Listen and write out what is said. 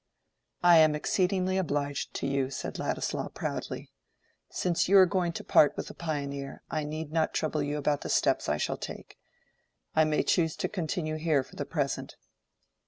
"I am exceedingly obliged to you," said Ladislaw, proudly. "Since you are going to part with the 'Pioneer,' I need not trouble you about the steps I shall take. I may choose to continue here for the present."